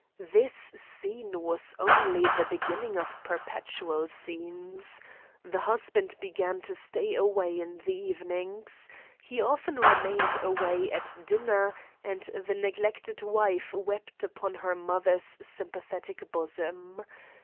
This scene was only the beginning of perpetual scenes. The husband began to stay away in the evenings. He often remained away at dinner, and the neglected wife wept upon her mother's sympathetic bosom.